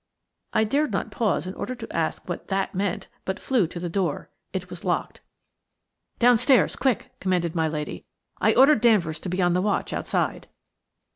I dared not pause in order to ask what "that" meant, but flew to the door. It was locked. "Downstairs–quick!" commanded my lady. "I ordered Danvers to be on the watch outside."